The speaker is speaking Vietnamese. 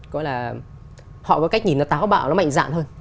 gọi là họ có cách nhìn nó táo bạo nó mạnh dạn hơn